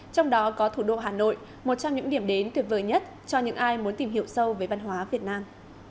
trong đó có thủ đô hà nội một trong những điểm đến tuyệt vời nhất cho những ai muốn tìm hiểu sâu về văn hóa việt nam